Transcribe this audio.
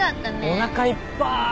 おなかいっぱい。